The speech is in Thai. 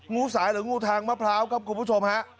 งูสายหรืองูทางมะพร้าวครับคุณผู้ชมฮะ